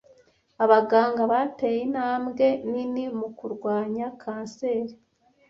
Abaganga bateye intambwe nini mu kurwanya kanseri.